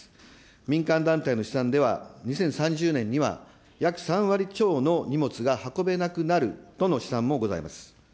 民間団体の試算では、２０３０年には約３割超の荷物が運べなくなるとの試算もございます。